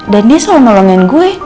dan dia selalu nolongan gue